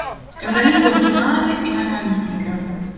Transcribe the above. È una lingua tonale e analitica.